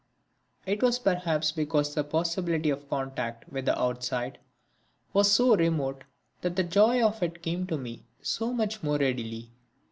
It was perhaps because the possibility of contact with the outside was so remote that the joy of it came to me so much more readily.